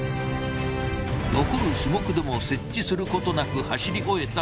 残る種目でも接地することなく走り終えた清水。